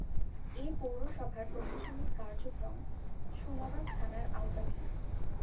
এ পৌরসভার প্রশাসনিক কার্যক্রম সেনবাগ থানার আওতাধীন।